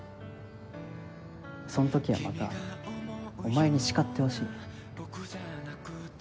その時はまたお前に叱ってほしい。